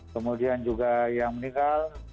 kemudian juga yang meninggal